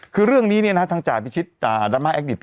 คือเรื่องนี้เนี่ยนะฮะทางจ่ายพิชิตดรรมาแอคดิต